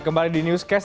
kembali di newscast